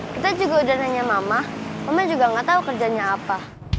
kita juga udah nanya mama mama juga nggak tahu kerjanya apa